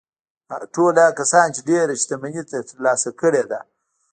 ټول هغه کسان چې ډېره شتمني يې ترلاسه کړې ده.